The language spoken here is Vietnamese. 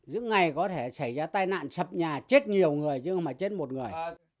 những ngày có thể xảy ra tai nạn sập nhà chết nhiều người chứ không phải chết một người